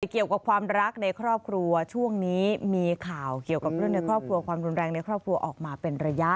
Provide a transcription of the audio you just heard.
เกี่ยวกับความรักในครอบครัวช่วงนี้มีข่าวเกี่ยวกับเรื่องในครอบครัวความรุนแรงในครอบครัวออกมาเป็นระยะ